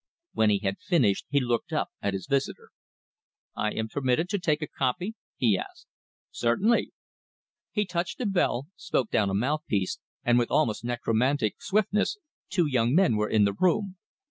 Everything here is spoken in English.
When he had finished he looked up at his visitor. "I am permitted to take a copy?" he asked. "Certainly!" He touched a bell, spoke down a mouthpiece, and with almost necromantic swiftness two young men were in the room.